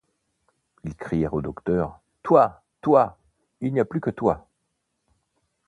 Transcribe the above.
Ils crièrent au docteur: — Toi! toi ! il n’y a plus que toi.